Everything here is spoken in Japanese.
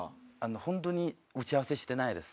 本当に打ち合わせしてないです。